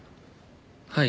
はい。